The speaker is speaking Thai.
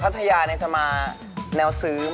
อาหารทะเล